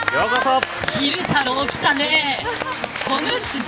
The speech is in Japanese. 昼太郎、来たね。